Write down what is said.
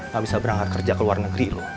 gak bisa berangkat kerja ke luar negeri loh